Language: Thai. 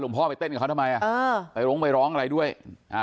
ลุงพ่อไปเต้นกับเขาทำไมเออไปลงไปร้องอะไรด้วยอ่า